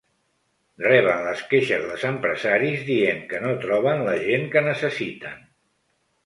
Reben les queixes dels empresaris dient que no troben la gent que necessiten.